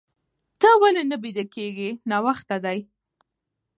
ته ولې نه بيده کيږې؟ ناوخته دي.